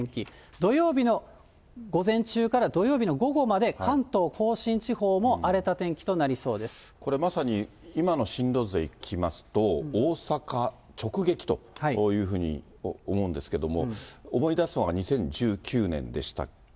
土曜日の午前中から土曜日の午後まで関東甲信地方も荒れた天気とこれ、まさに今の進路図でいきますと、大阪直撃というふうに思うんですけども、思い出すのが２０１９年でしたっけ？